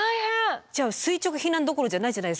じゃあ垂直避難どころじゃないじゃないですか。